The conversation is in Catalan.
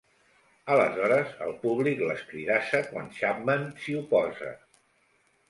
Aleshores, el públic l'escridassa quan Chapman s'hi oposa.